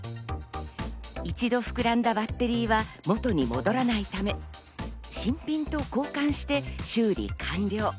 一度膨らんだバッテリーは元に戻らないため、新品と交換して修理完了。